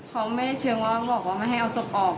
เขาไม่ได้เชิงว่าบอกว่าไม่ให้เอาศพออก